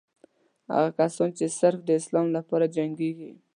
هغه کسان چې صرف د اسلام لپاره جنګېږي.